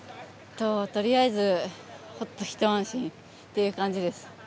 とりあえずほっと、一安心という感じです。